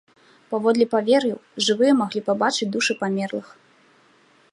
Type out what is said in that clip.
Паводле павер'яў, жывыя маглі пабачыць душы памерлых.